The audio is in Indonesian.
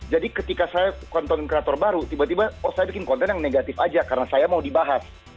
jadi ketika saya konten creator baru tiba tiba oh saya bikin konten yang negatif aja karena saya mau dibahas